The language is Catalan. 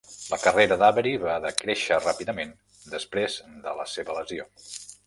La carrera d' Avery va decréixer ràpidament després de la seva lesió.